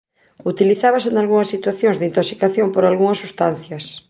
Utilizábase nalgunhas situacións de intoxicación por algunhas substancias.